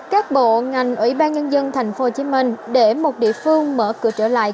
các bộ ngành ủy ban nhân dân tp hcm để một địa phương mở cửa trở lại